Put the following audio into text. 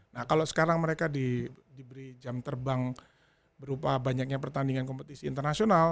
nah kalau sekarang mereka diberi jam terbang berupa banyaknya pertandingan kompetisi internasional